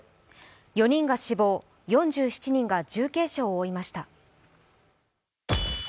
４人が死亡、４７人が重軽傷を負いました。